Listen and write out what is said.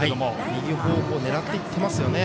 右方向狙っていってますよね。